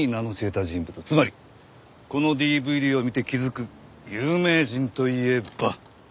つまりこのＤＶＤを見て気づく有名人といえば。